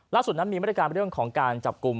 ล่าสุดนั้นมีบริการเรื่องของการจับกลุ่ม